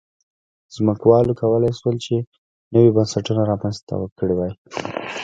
ځمکوالو کولای شول چې نوي بنسټونه رامنځته کړي وای.